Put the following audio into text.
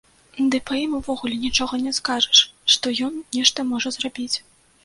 Ды па ім увогуле нічога не скажаш, што ён нешта можа зрабіць.